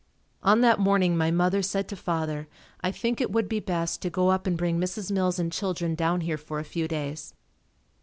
On that morning my mother said to father, "I think it would be best to go up and bring Mrs. Mills and children down here for a few days."